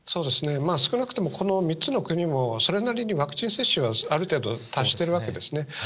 少なくともこの３つの国も、それなりにワクチン接種は、ある程度、達してるわけですね。